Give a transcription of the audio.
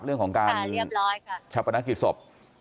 เรื่องของการชะปนกิจศพ